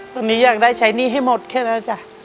ตอนนี้อยากได้ใช้หนี้ให้หมดแค่นั้นจ้ะ